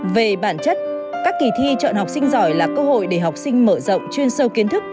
về bản chất các kỳ thi chọn học sinh giỏi là cơ hội để học sinh mở rộng chuyên sâu kiến thức